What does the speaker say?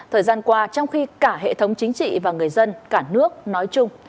thời gian qua trong khi cả hệ thống chính trị và người dân cả nước nói chung